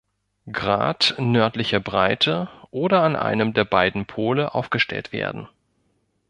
Grad nördlicher Breite oder an einem der beiden Pole aufgestellt werden.